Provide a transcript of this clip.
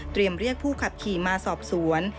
เตรียมเรียกผู้ขับขี่มาสอบสวน